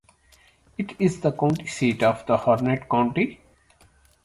It is the county seat of Harnett County.